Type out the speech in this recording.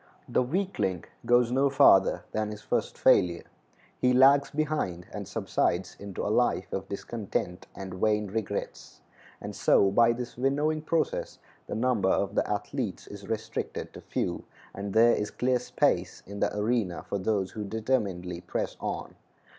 The weakling goes no farther than his first failure; he lags behind, and subsides into a life of discontent and vain regrets; and so by this winnowing process the number of the athletes is restricted to few, and there is clear space in the arena for those who determinedly press on.